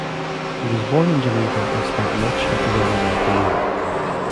He was born in Geneva and spent much of his early life in Europe.